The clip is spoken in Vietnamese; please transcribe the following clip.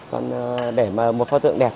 còn để một phao tượng đẹp